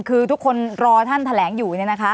คือทุกคนรอท่านแถลงอยู่